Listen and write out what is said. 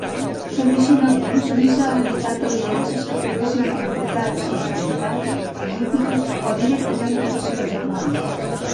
Tradicionalment, Suïssa ha evitat aliances que poguessin comportar accions militars, polítiques o directament accions econòmiques.